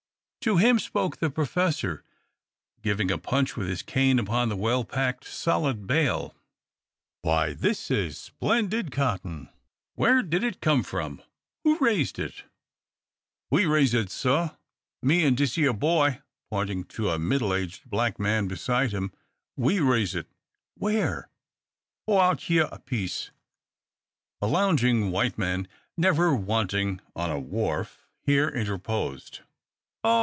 To him spoke the Professor, giving a punch with his cane upon the well packed, solid bale: "Why, this is splendid cotton! Where did it come from? Who raised it?" "We raise it, sah, me 'n' dis yer boy," pointing to a middle aged black man beside him: "we raise it." "Where?" "Oh! out he'yr a piece." A lounging white man, never wanting on a wharf, here interposed: "Oh!